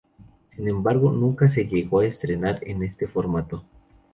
Sin embargo, nunca se llegó a estrenar en este formato.